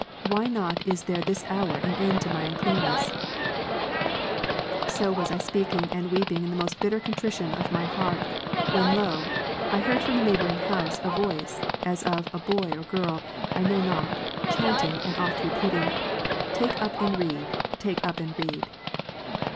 why not is there this hour an end to my unclcanness ? 29. So was I speaking, and weeping in the most bitter con trition of my heart, when, lo ! I heard from a neighbouring house a voice, as of boy or girl, I know not, chanting, and oft repeating, " Take up and read ; Take up and read."